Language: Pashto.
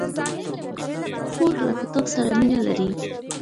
خور له کتاب سره مینه لري.